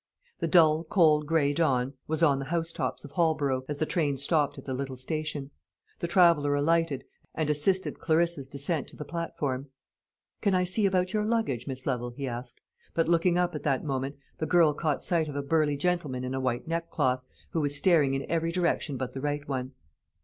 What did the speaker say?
The dull cold gray dawn was on the housetops of Holborough, as the train stopped at the little station. The traveller alighted, and assisted Clarissa's descent to the platform. "Can I see about your luggage, Miss Lovel?" he asked; but looking up at that moment, the girl caught sight of a burly gentleman in a white neckcloth, who was staring in every direction but the right one.